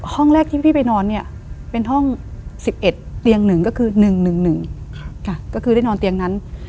ห้องแรกที่พี่ไปนอนเนี่ยเป็นห้อง๑๑เตียง๑ก็คือ๑๑๑ค่ะก็คือได้นอนเตียงนั้น